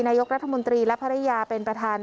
นายกรัฐมนตรีและภรรยาเป็นประธาน